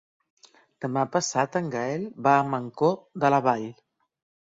Demà passat en Gaël va a Mancor de la Vall.